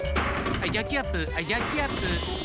はいジャッキアップ。